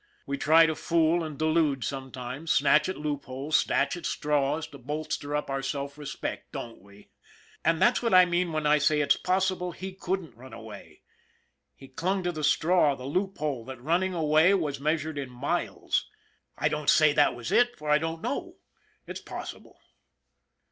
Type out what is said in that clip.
We try to fool and delude sometimes, snatch at loopholes, snatch at straws, to bolster up our self respect, don't we? That's what I mean when I say it's possible he couldn't run away. He clung to the straw, the loop hole, that running away was measured in miles. I don't say that was it, for I don't know. It's possible.